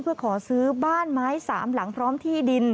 เพื่อขอซื้อบ้านไม้สามหลังพร้อมที่ดิน